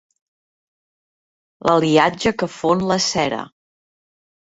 L'aliatge que fon la cera.